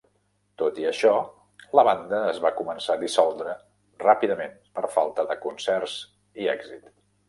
Tot i això, la banda es va començar a dissoldre ràpidament per falta de concerts i èxit.